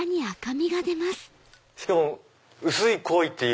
しかも薄い濃いっていう。